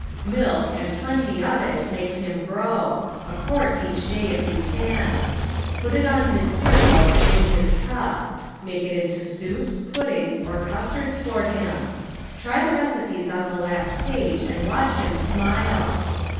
Milk and plenty of it, makes him grow ŌĆö a quart each day if you can. Put it on his cereal and in his cup. Make it into soups, puddings, or custards for him. Try the recipes on the last page and watch him smile.